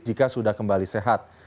jika sudah kembali sehat